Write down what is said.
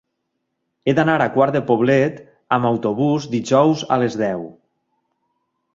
He d'anar a Quart de Poblet amb autobús dijous a les deu.